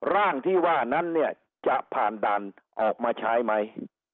ร่างที่ว่านั้นเนี่ยจะผ่านด่านออกมาใช้ไหม